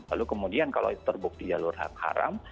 lalu kemudian kalau terbukti jalur hak haram